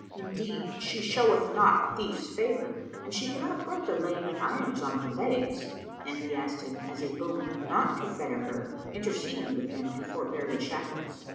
Indeed, she showeth not thief's favour and she cannot brook the laying of irons on her legs." And he asked him as a boon not to fetter her, interceding with him to forbear the shackles.